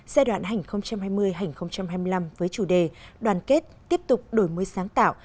giai đoạn hành hai mươi hai nghìn hai mươi năm với chủ đề đoàn kết tiếp tục đổi mới sáng tạo